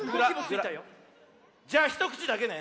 じゃあひとくちだけね。